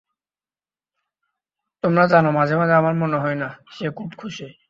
তোমরা জানো, মাঝে মাঝে আমার মনে হয় না, সে খুব খুশি।